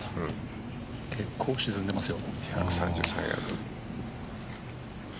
結構沈んでますよ。